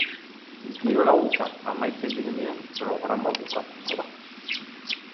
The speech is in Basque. Diru-laguntzak amaitzen direnean programa bukatuko da.